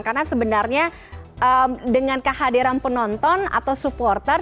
karena sebenarnya dengan kehadiran penonton atau supporter